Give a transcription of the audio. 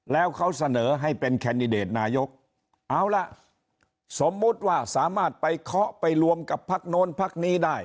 แล้วเขาเสนอให้เป็นแคนดิเดตนายกเอาล่ะสมมุติว่าสามารถไปเคาะไปรวมกับพักโน้นพักนี้ได้